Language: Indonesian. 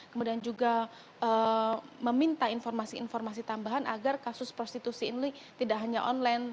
kemudian juga meminta informasi informasi tambahan agar kasus prostitusi ini tidak hanya online